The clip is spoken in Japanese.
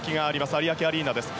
有明アリーナです。